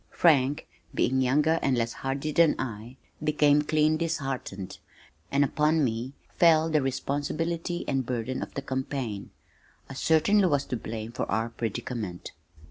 Frank, being younger and less hardy than I, became clean disheartened, and upon me fell the responsibility and burden of the campaign. I certainly was to blame for our predicament.